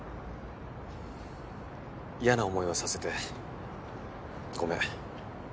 嫌な思いをさせてごめん。